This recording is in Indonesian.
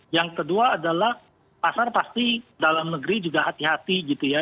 yang kedua adalah pasar pasti dalam negeri juga hati hati gitu ya